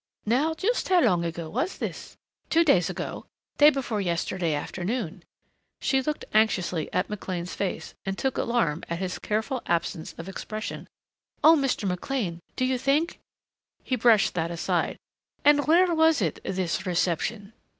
"Now just how long ago was this?" "Two days ago. Day before yesterday afternoon." She looked anxiously at McLean's face and took alarm at his careful absence of expression. "Oh, Mr. McLean, do you think " He brushed that aside. "And where was it this reception?"